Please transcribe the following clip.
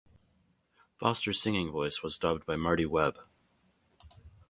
Foster's singing voice was dubbed by Marti Webb.